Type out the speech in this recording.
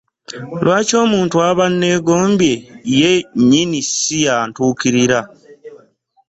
Lwaki omuntu aba anneegombye ye nnyini si yantuukirira?